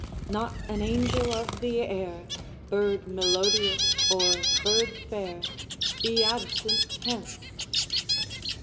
Not an angel of the air, Bird melodious or bird fair, Be absent hence!